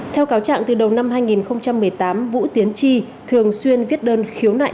theo cáo trạng từ đầu năm hai nghìn một mươi tám vũ tiến tri thường xuyên viết đơn khiếu nại